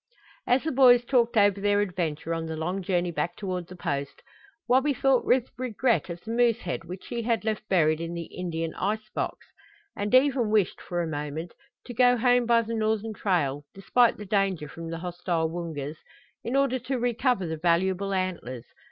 As the boys talked over their adventure on the long journey back toward the Post, Wabi thought with regret of the moose head which he had left buried in the "Indian ice box," and even wished, for a moment, to go home by the northern trail, despite the danger from the hostile Woongas, in order to recover the valuable antlers.